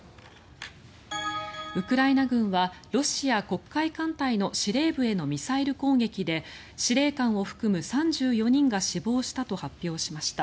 ウクライナ軍はロシア黒海艦隊の司令部へのミサイル攻撃で司令官を含む３４人が死亡したと発表しました。